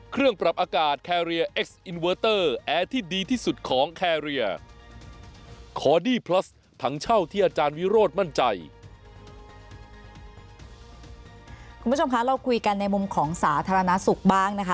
คุณผู้ชมคะเราคุยกันในมุมของสาธารณสุขบ้างนะคะ